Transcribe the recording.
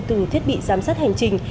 từ thiết bị giám sát hành trình